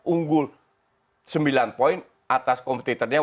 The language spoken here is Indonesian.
unggul sembilan poin atas kompetitornya